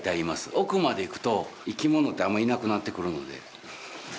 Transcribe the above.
奥まで行くと生き物ってあんまりいなくなってくるので。